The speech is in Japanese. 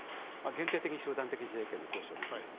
限定的に集団的自衛権の行使を認める。